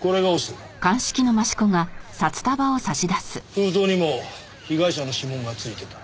封筒にも被害者の指紋が付いてた。